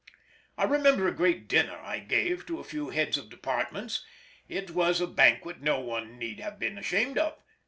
I remember a great dinner I gave to a few heads of departments; it was a banquet no one need have been ashamed of.